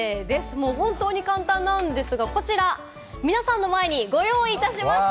もう本当に簡単なんですが、こちら、皆さんの前にご用意いたしました。